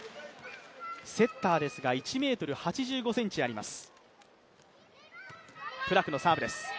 セッターですが１ｍ８５ｃｍあります。